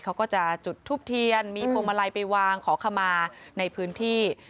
เขาก็จะจุดทูปเทียนมีพวงมาลัยไปวางขอขมาในพื้นที่